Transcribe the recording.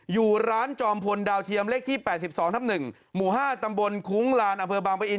อยู่ร้านจอมพลดาวเทียมเลขที่๘๒ทับ๑หมู่๕ตำบลคุ้งลานอำเภอบางปะอิน